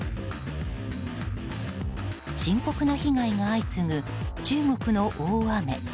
深刻な被害が相次ぐ中国の大雨。